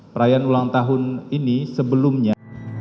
perayaan ulang tahun ini sebelumnya